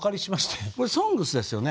これ「ＳＯＮＧＳ」ですよね？